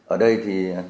ở đây thì